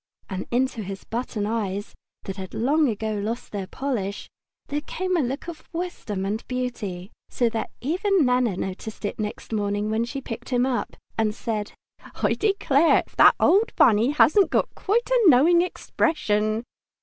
And into his boot button eyes, that had long ago lost their polish, there came a look of wisdom and beauty, so that even Nana noticed it next morning when she picked him up, and said, "I declare if that old Bunny hasn't got quite a knowing expression!"